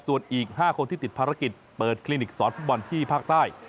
ส่วนอีก๕คนที่ติดภารกิจเปิดคลินิกสอนฟุตบอลที่ภาคใต้